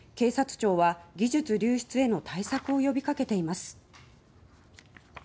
警察庁は、技術流出への対策を呼びかけています。